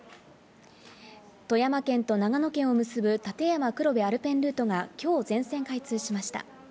富山県と長野県を結ぶ立山黒部アルペンルートが今日、全線開通しました。